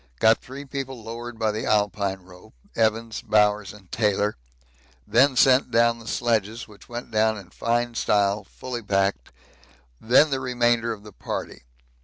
Got three people lowered by the Alpine rope Evans, Bowers, and Taylor then sent down the sledges, which went down in fine style, fully packed then the remainder of the party.